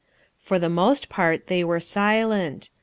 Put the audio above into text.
For the most part they were silent.